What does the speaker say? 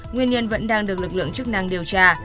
nguyên nhân vẫn đang được lực lượng chức năng điều tra